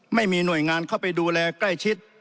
ไม่มีหน่วยงานเข้าไปดูแลใกล้ชิด